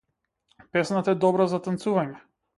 Песната е добра за танцување.